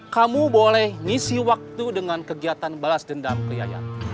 kamu boleh ngisi waktu dengan kegiatan balas dendam keliaya